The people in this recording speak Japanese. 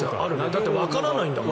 だって、わからないんだもん。